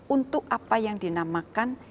untuk apa yang dinamakan